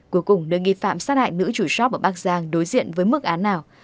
cuối cùng nơi nghi phạm sát hại nữ chủ shop ở bắc giang đối diện với mức án nào